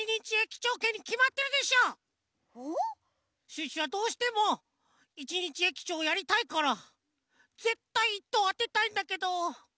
シュッシュはどうしても一日駅長やりたいからぜったい１とうあてたいんだけど。